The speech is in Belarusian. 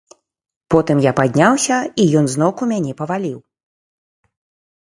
Потым я падняўся, і ён зноўку мяне паваліў.